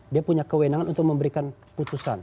dia punya kewenangan untuk memberikan putusan